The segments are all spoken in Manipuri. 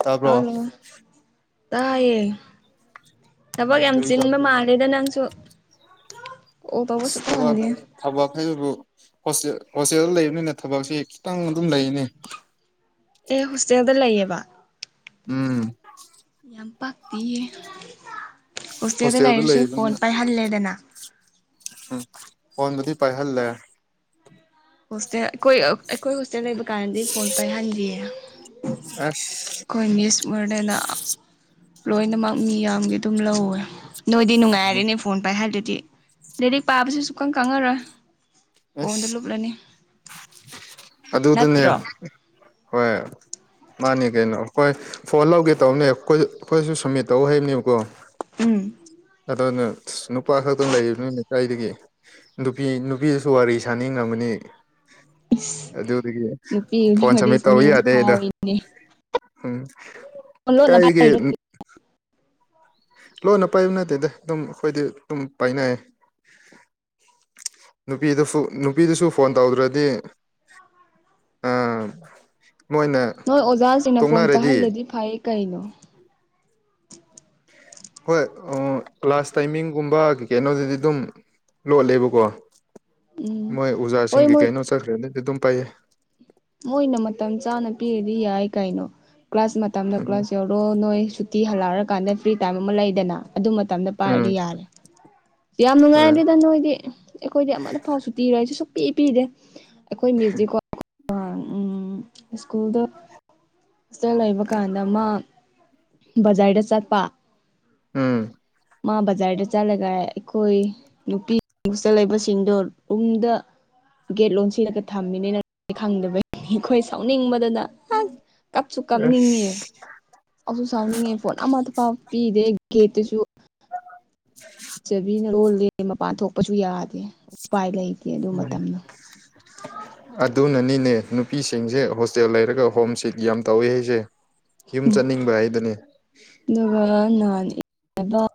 ꯇꯥꯕ꯭ꯔꯣ ꯑꯜꯂꯣ ꯇꯥꯌꯦ ꯊꯕꯛ ꯌꯥꯝ ꯀꯔꯤꯗꯣ ꯆꯤꯟꯕ ꯃꯥꯜꯂꯦꯗ ꯅꯪꯁꯨ ꯀꯣꯜ ꯇꯧꯕ ꯏꯁ ꯁꯨꯛꯐꯪ ꯊꯕꯛ ꯐꯪꯗꯦ ꯊꯕꯛ ꯍꯥꯏꯕꯕꯨ ꯍꯣꯁꯇꯦꯜ ꯍꯣꯁꯇꯦꯜꯗꯥ ꯂꯩꯕꯅꯤꯅ ꯊꯕꯛꯁꯤ ꯈꯤꯇꯪ ꯑꯗꯨꯝ ꯂꯩꯅꯤ ꯑꯦ ꯍꯣꯁꯇꯦꯜꯗ ꯂꯩꯑꯕ ꯎꯝ ꯌꯥꯝ ꯄꯥꯛꯇꯤꯌꯦ ꯍꯣꯁꯇꯦꯜꯗ ꯂꯩꯔꯁꯨ ꯐꯣꯟ ꯄꯥꯏꯍꯜꯂꯦꯗꯅ ꯎꯝ ꯐꯣꯟꯕꯨꯗꯤ ꯄꯥꯏ ꯍꯜꯂꯦ ꯍꯣꯁꯇꯦꯜ ꯑꯩꯈꯣꯏ ꯑꯩꯈꯣꯏ ꯍꯣꯁꯇꯦꯜ ꯂꯩꯕ ꯀꯥꯟꯗꯗꯤ ꯐꯣꯟ ꯄꯥꯏꯍꯟꯗꯤꯌꯦ [inaudible] ꯈꯣꯏ ꯃꯤꯁ ꯃꯣꯔꯗꯦꯅ ꯂꯣꯏꯅꯃꯛ ꯃꯤ ꯌꯥꯝꯒꯤ ꯑꯗꯨꯝ ꯂꯧꯋꯦ ꯅꯣꯏꯗꯤ ꯅꯨꯡꯉꯥꯏꯔꯦꯅꯦ ꯐꯣꯟ ꯄꯥꯏ ꯍꯥꯜꯗꯨꯗꯤ ꯂꯥꯔꯤꯛ ꯄꯥꯕꯁꯨ ꯁꯨꯛꯀꯪ ꯀꯪꯉꯔꯣꯏ ꯐꯣꯟꯗ ꯑꯁ ꯂꯨꯞꯂꯅꯤ ꯅꯠꯇ꯭ꯔꯣ ꯑꯗꯨꯗꯅꯦꯕ ꯍꯣꯏ ꯃꯥꯅꯦ ꯀꯩꯅꯣ ꯈꯣꯏ ꯐꯣꯟ ꯂꯧꯒꯦ ꯇꯧꯕꯅꯦ ꯈꯣꯏꯖꯨ ꯑꯈꯣꯏꯁꯨ ꯁꯝꯃꯤꯠ ꯇꯧ ꯍꯩꯕꯅꯦꯕꯀꯣ ꯎꯝ ꯑꯗꯨꯅ ꯅꯨꯄꯥ ꯈꯛꯇꯪ ꯂꯩꯕꯅꯤꯅ ꯀꯥꯏꯗꯒꯤ ꯅꯨꯄꯤ ꯅꯨꯄꯤꯁꯨ ꯋꯥꯔꯤ ꯁꯥꯅꯤꯡꯉꯝꯒꯅꯤ ꯏꯁ ꯑꯗꯨꯗꯥꯒꯤ ꯅꯨꯄꯤꯒꯗꯤ ꯐꯣꯟ ꯋꯥꯔꯤ ꯁꯥꯃꯤꯠ ꯇꯧ ꯁꯥꯅꯤꯡꯕ ꯌꯥꯗꯦ ꯗꯣ ꯐꯥꯎꯏꯅꯦ ꯎꯝ ꯐꯣꯟ ꯂꯣꯟꯅ ꯀꯩꯒꯤ ꯄꯥꯏꯔꯤꯔꯣ ꯂꯣꯟꯅ ꯄꯥꯏꯕ ꯅꯠꯇꯦꯗ ꯑꯗꯨꯝ ꯑꯩꯈꯣꯏꯗꯤ ꯑꯗꯨꯝ ꯄꯥꯏꯅꯩ ꯅꯨꯄꯤꯗꯐꯨ ꯅꯨꯄꯤꯗꯁꯨ ꯐꯣꯟ ꯇꯧꯗ꯭ꯔꯥꯗꯤ ꯑꯥ ꯃꯣꯏꯅ ꯅꯣꯏ ꯑꯣꯖꯥꯁꯤꯡꯅ ꯐꯣꯟ ꯇꯣꯛꯅꯔꯥꯗꯤ ꯄꯥꯏꯍꯜꯂꯗꯤ ꯐꯩ ꯀꯩꯅꯣ ꯍꯣꯏ ꯑꯥ ꯀ꯭ꯂꯥꯁ ꯇꯥꯏꯃꯤꯡꯒꯨꯝꯕ ꯀꯩ ꯀꯩꯅꯣꯗꯨꯗꯤ ꯗꯨꯝ ꯂꯣꯠꯂꯦꯕꯀꯣ ꯎꯝ ꯃꯣꯏ ꯍꯣꯏ ꯎꯖꯥꯁꯤꯡꯒꯤ ꯃꯣꯏ ꯀꯩꯅꯣ ꯆꯠꯈ꯭ꯔꯦꯗꯤ ꯑꯗꯨꯝ ꯄꯥꯏꯌꯦ ꯃꯣꯏꯅ ꯃꯇꯝ ꯆꯥꯅ ꯄꯤꯔꯗꯤ ꯌꯥꯏ ꯀꯥꯏꯅꯣ ꯀ꯭ꯂꯥꯁ ꯃꯇꯝꯗ ꯀ꯭ꯂꯥꯁ ꯌꯥꯎ ꯔꯣ ꯅꯣꯏ ꯁꯨꯇꯤ ꯍꯜꯂꯛꯑꯔꯀꯥꯟꯗ ꯐ꯭ꯔꯤ ꯇꯥꯏꯝ ꯑꯃ ꯂꯩꯗꯅ ꯑꯗꯨ ꯃꯇꯝꯗ ꯎꯝ ꯄꯥꯏꯔꯗꯤ ꯌꯥꯔꯦ ꯌꯥꯝ ꯍꯣꯏ ꯅꯨꯡꯉꯥꯏꯔꯦꯗ ꯅꯣꯏꯗꯤ ꯑꯩꯈꯣꯏꯗꯤ ꯑꯃꯅ ꯐꯥꯎ ꯁꯨꯇꯤ ꯂꯩꯔꯁꯨ ꯁꯨꯛꯄꯤ ꯄꯤꯗꯦ ꯑꯩꯈꯣꯏ ꯃꯦꯖꯤꯛꯀꯣ ꯑꯥ ꯎꯝ ꯁ꯭ꯀꯨꯜꯗꯣ ꯍꯣꯁꯇꯦꯜ ꯂꯩꯕ ꯀꯥꯟꯗ ꯃꯥ ꯕꯖꯥꯔꯗ ꯆꯠꯄ ꯎꯝ ꯃꯥ ꯕꯖꯥꯔꯗ ꯆꯠꯂꯒ ꯑꯩꯈꯣꯏ ꯅꯨꯄꯤ ꯍꯣꯁꯇꯦꯜ ꯂꯩꯕꯁꯤꯡꯗꯣ ꯔꯨꯝꯗ ꯒꯦꯠ ꯂꯣꯟꯁꯤꯜꯂꯒ ꯊꯝꯃꯤꯅꯤꯅ ꯈꯪꯗꯕ ꯈꯣꯏ ꯁꯥꯎꯅꯤꯡꯕꯗꯅ ꯑꯁ [inaudible] ꯔꯁ ꯑꯥꯎꯁꯨ ꯁꯥꯎꯅꯤꯡꯉꯦ ꯐꯣꯟ ꯑꯃꯠꯇꯥ ꯐꯥꯎ ꯄꯤꯗꯦ ꯒꯦꯠꯇꯨꯁꯨ ꯆꯥꯕꯤꯅ ꯂꯣꯜꯂꯤ ꯃꯄꯥꯟ ꯊꯣꯛꯄꯁꯨ ꯌꯥꯗꯦ ꯎꯄꯥꯏ ꯂꯩꯇꯦ ꯑꯗꯨ ꯃꯇꯝꯗ [inaudible] ꯑꯗꯨꯅꯅꯤꯅꯦ ꯅꯨꯄꯤꯁꯤꯡꯁꯦ ꯍꯣꯁꯇꯦꯜ ꯂꯩꯔꯒ ꯍꯣꯝ ꯁꯤꯠ ꯌꯥꯝ ꯇꯧꯋꯦ ꯍꯥꯏꯁꯦ ꯌꯨꯝ ꯆꯠꯅꯤꯡꯕ ꯍꯥꯏꯗꯨꯅꯦ ꯗꯨꯒ [unintelligible]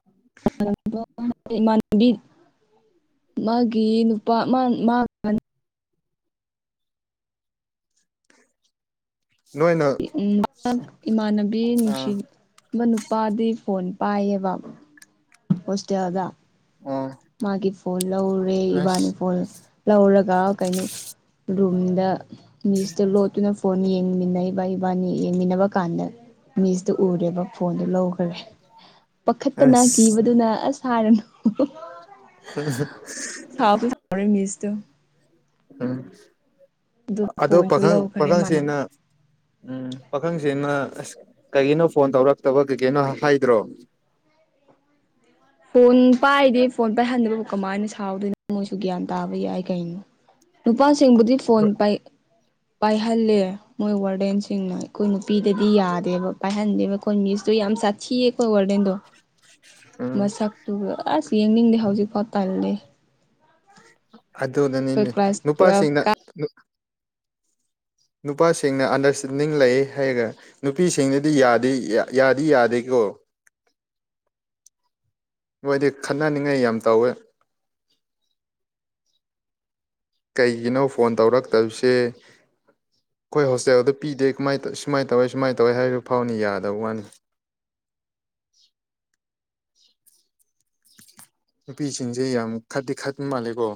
[unintelligible] ꯏꯃꯥꯟꯅꯕꯤ ꯃꯥꯒꯤ ꯅꯨꯄꯥ ꯃꯥꯟ ꯃꯥ ꯅꯣꯏꯅ ꯎꯝ [unintelligible] ꯏꯃꯥꯟꯅꯕꯤ ꯑꯥ ꯅꯨꯡꯁꯤ ꯃꯥ ꯅꯨꯄꯥꯗꯤ ꯐꯣꯟ ꯄꯥꯏꯌꯦꯕ ꯍꯣꯁꯇꯦꯜꯗ ꯑꯣ ꯃꯥꯒꯤ ꯐꯣꯟ ꯂꯧꯔꯦ ꯏꯕꯥꯅꯤ ꯑꯁ ꯐꯣꯟ ꯂꯧꯔꯒ ꯀꯩꯅꯣ ꯔꯨꯝꯗ ꯃꯤꯁꯇ ꯂꯣꯠꯇꯨꯅ ꯐꯣꯟ ꯌꯦꯡꯃꯤꯟꯅꯩꯕ ꯏꯕꯥꯅꯤ ꯌꯦꯡꯃꯤꯟꯅꯕ ꯀꯥꯟꯗ ꯃꯤꯁꯇꯨ ꯎꯔꯦꯕ ꯐꯣꯟꯗꯨ ꯂꯧꯈꯔꯦ ꯄꯥꯈꯠꯄꯅ ꯑꯁ ꯀꯤꯕꯗꯨꯅ ꯑꯁ ꯍꯥꯏꯔꯅꯨ [unintelligible] [unintelligible] ꯃꯤꯁꯇꯨ ꯎꯝ ꯑꯗꯨ ꯑꯗꯣ ꯐꯣꯟꯁꯨ ꯄꯥꯈꯪ ꯂꯧꯈ꯭ꯔꯦ ꯃꯥꯅ ꯄꯥꯈꯪꯁꯤꯅ ꯎꯝ ꯄꯥꯈꯪꯁꯤꯅ ꯑꯁ ꯀꯩꯒꯤꯅꯣ ꯐꯣꯟ ꯇꯧꯔꯛꯇꯕ ꯀꯩꯀꯩꯅꯣ ꯍꯥꯏꯗ꯭ꯔꯣ ꯐꯣꯟ ꯄꯥꯏꯗꯦ ꯐꯣꯟ ꯄꯥꯏꯍꯟꯗꯕꯕꯨ ꯀꯃꯥꯏꯅ ꯁꯥꯎꯗꯣꯏꯅꯣ ꯃꯣꯏꯁꯨ ꯒ꯭ꯌꯥꯟ ꯇꯥꯕ ꯌꯥꯏ ꯀꯩꯅꯣ ꯅꯨꯄꯥꯁꯤꯡꯕꯨꯗꯤ ꯐꯣꯟ ꯄꯥꯏ ꯄꯥꯏꯍꯜꯂꯦ ꯃꯣꯏ ꯋꯥꯔꯗꯦꯟꯁꯤꯡꯅ ꯑꯩꯈꯣꯏ ꯅꯨꯄꯤꯗꯗꯤ ꯌꯥꯗꯦꯕ ꯄꯥꯏꯍꯟꯗꯦꯕ ꯈꯣꯏ ꯃꯤꯁꯇꯣ ꯌꯥꯝ ꯁꯥꯠꯊꯤꯌꯦ ꯈꯣꯏ ꯋꯥꯔꯗꯦꯟꯗꯣ ꯎꯝ ꯃꯁꯛꯇꯨꯒ ꯑꯁ ꯌꯦꯡꯅꯤꯡꯗꯦ ꯍꯧꯖꯤꯛꯐꯥꯎ ꯇꯜꯂꯦ ꯑꯩꯈꯣꯏ ꯑꯗꯨꯅꯅꯤꯅꯦ ꯀ꯭ꯂꯥꯁ ꯇꯨꯋꯦꯜꯐ ꯅꯨꯄꯥꯁꯤꯡꯅ ꯀꯥ ꯅꯨꯄꯥꯁꯤꯡꯅ ꯑꯟꯗꯔꯁꯇꯦꯟꯗꯤꯡ ꯂꯩ ꯍꯥꯏꯒ ꯅꯨꯄꯤꯁꯤꯡꯅꯗꯤ ꯌꯥꯗꯤ ꯌꯥ ꯌꯥꯗꯤ ꯌꯥꯗꯦꯀꯣ ꯃꯣꯏꯗꯤ ꯈꯠꯅꯅꯤꯡꯉꯥꯏ ꯌꯥꯝ ꯇꯧꯋꯦ ꯀꯩꯒꯤꯅꯣ ꯐꯣꯟ ꯇꯧꯔꯛꯇꯕꯁꯦ ꯑꯩꯈꯣꯏ ꯍꯣꯁꯇꯦꯜꯗ ꯄꯤꯗꯦ ꯀꯃꯥꯏ ꯁꯨꯃꯥꯏꯅ ꯇꯧꯋꯦ ꯁꯨꯃꯥꯏꯅ ꯇꯧꯋꯦ ꯍꯥꯏꯕ ꯐꯥꯎꯅꯤ ꯌꯥꯗꯕ ꯋꯥꯅꯤ ꯅꯨꯄꯤꯁꯤꯡꯁꯦ ꯌꯥꯝ ꯈꯠꯇꯤ ꯈꯠꯄ ꯃꯥꯜꯂꯦꯀꯣ